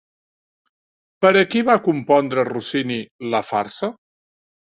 Per a qui va compondre Rossini la farsa?